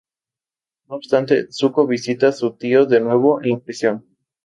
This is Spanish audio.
No obstante, Zuko visita a su tío de nuevo en la prisión.